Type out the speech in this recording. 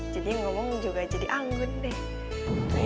ngomong juga jadi anggun deh